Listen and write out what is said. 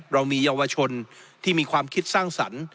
เรามีเยาวชนที่มีความคิดสร้างสรรค์